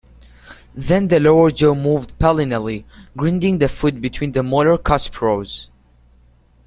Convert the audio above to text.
Then the lower jaw moved palinally, grinding the food between the molar cusp rows.